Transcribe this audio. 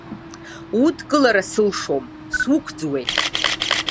Удкылара сылшом, суқәӡуеит.